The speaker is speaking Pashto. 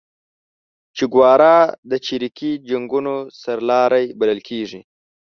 چیګوارا د چریکي جنګونو سرلاری بللل کیږي